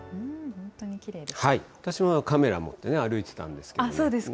私もカメラ持って歩いてたんですけれども。